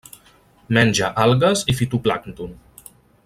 Menja algues i fitoplàncton.